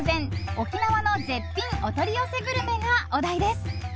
沖縄の絶品お取り寄せグルメがお題です。